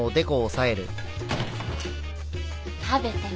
食べてみ